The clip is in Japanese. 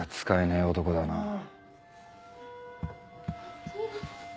使えない男だな。